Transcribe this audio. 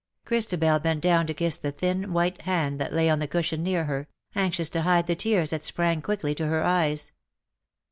Christabel bent down to kiss the thin, white hand that lay on the cushion near her — anxious to hide the tears that sprang quickly to her eyes.